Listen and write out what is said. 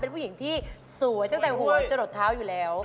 เป็นผู้หญิงที่สวยตั้งแต่หัวจะหลดเท้าอยู่แล้ว